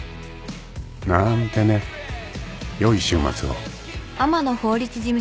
［なーんてね良い週末を］